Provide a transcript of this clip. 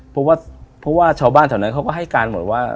เพราะว่าเพราะว่าชาวบ้านแถวนั้นเขาก็ให้การหมดว่า